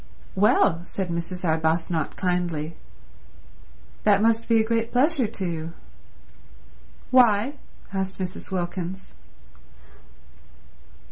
"Well," said Mrs. Arbuthnot kindly, "that must be a great pleasure to you." "Why?" asked Mrs. Wilkins.